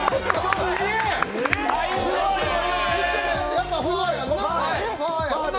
やっぱフワーやな。